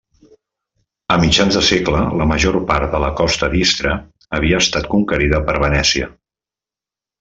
A mitjan segle la major part de la costa d'Ístria, havia estat conquerida per Venècia.